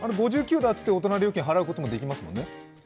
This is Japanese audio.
５９だって言って大人料金払うこともできますからね。